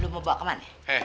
lo mau bawa kemana